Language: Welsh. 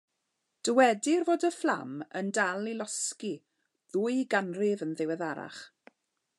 Dywedir fod y fflam yn dal i losgi ddwy ganrif yn ddiweddarach.